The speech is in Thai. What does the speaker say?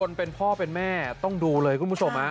เป็นพ่อเป็นแม่ต้องดูเลยคุณผู้ชม